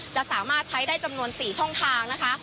จะสามารถใช้ได้จำนวน๔ช่องทางนะคะ